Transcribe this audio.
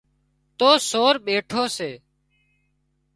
تو سور ٻيٺو سي